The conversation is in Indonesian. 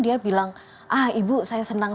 dia bilang ah ibu saya senang